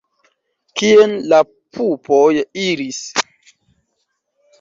Kien la pupoj iris?